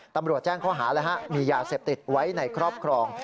ตำรวจแจ้งข้อหามียาเสพติดไว้ในครอบครอง